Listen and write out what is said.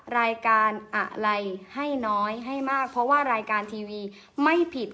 รายการอะไรให้น้อยให้มากเพราะว่ารายการทีวีไม่ผิด